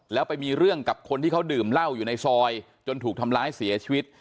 แล้วไปมีเรื่องกับคนที่เขาดื่มเหล้าอยู่ในซอยจนถูกทำร้ายเสียชีวิต